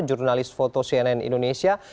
jurnalis foto cnn indonesia